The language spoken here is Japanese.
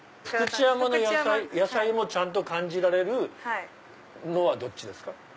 福知山の野菜もちゃんと感じられるのはどっちですか？